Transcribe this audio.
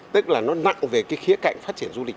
tức là nó nặng về cái khía cạnh phát triển du lịch